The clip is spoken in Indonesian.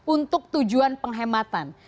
untuk tujuan penghematan